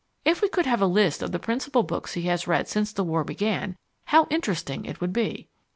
If we could have a list of the principal books he has read since the War began, how interesting it would be.